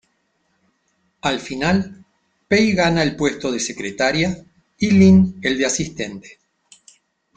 Al final Pei gana el puesto de secretaria y Lin el de asistente.